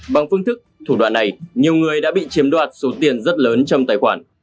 bằng phương thức thủ đoàn này nhiều người đã bị chiếm đoạt số tiền rất lớn trong tài khoản